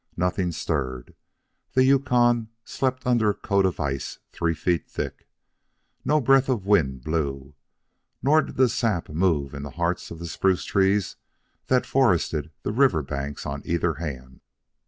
Nothing stirred. The Yukon slept under a coat of ice three feet thick. No breath of wind blew. Nor did the sap move in the hearts of the spruce trees that forested the river banks on either hand.